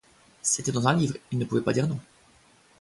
C'était dans un livre, il ne pouvait pas dire non.